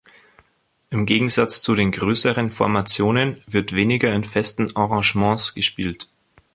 Im Gegensatz zu den größeren Formationen wird weniger in festen Arrangements gespielt.